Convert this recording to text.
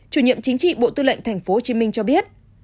chủ nhiệm chính trị bộ tư lệnh tp hcm cho biết